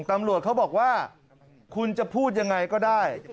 ตำรวจเขาบอกว่าคุณจะพูดยังไงก็ได้